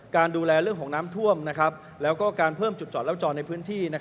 ดูแลเรื่องของน้ำท่วมแล้วก็การเพิ่มจุดจอดแล้วจอดในพื้นที่